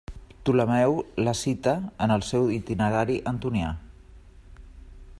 Ptolemeu la cita en el seu Itinerari Antonià.